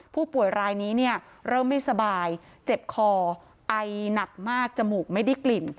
ผู้ป่วยรายนี้เนี่ยเริ่มไม่สบายเจ็บคอไอหนักมากจมูกไม่ได้กลิ่น